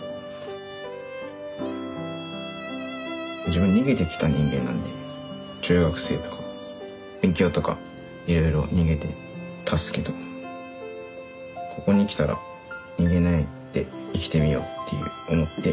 自分逃げてきた人間なんで中学生とか勉強とかいろいろ逃げてたすけどここに来たら逃げないで生きてみようって思って。